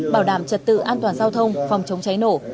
bảo đảm trật tự an toàn giao thông phòng chống cháy nổ